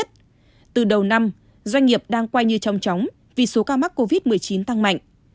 từ đầu năm doanh nghiệp đang quay như trống trống vì số cao mắc covid một mươi chín tăng mạnh